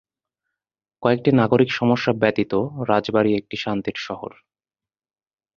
কয়েকটি নাগরিক সমস্যা ব্যতীত রাজবাড়ী একটি শান্তির শহর।